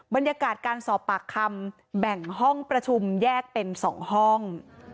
บรรยากาศการสอบปากคำแบ่งห้องประชุมแยกเป็น๒ห้อง